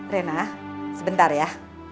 rena sebentar ya